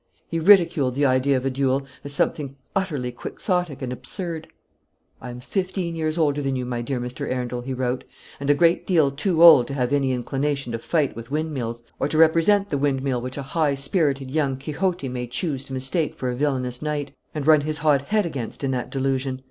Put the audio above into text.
He ridiculed the idea of a duel, as something utterly Quixotic and absurd. "I am fifteen years older than you, my dear Mr. Arundel," he wrote, "and a great deal too old to have any inclination to fight with windmills; or to represent the windmill which a high spirited young Quixote may choose to mistake for a villanous knight, and run his hot head against in that delusion.